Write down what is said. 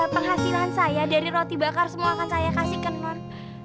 penghasilan saya dari roti bakar semua akan saya kasih kenner